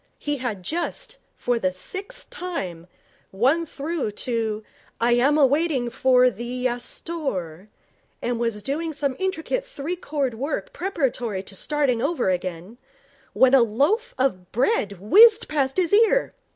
He had just, for the sixth time, won through to 'Iyam ah waiting for er theeee yass thorre,' and was doing some intricate three chord work preparatory to starting over again, when a loaf of bread whizzed past his ear.